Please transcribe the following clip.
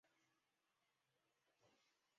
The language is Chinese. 线叶虎耳草为虎耳草科虎耳草属下的一个种。